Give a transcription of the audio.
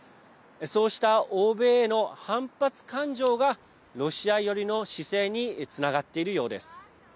そうした欧米への反発感情がロシア寄りの姿勢につながっているようです。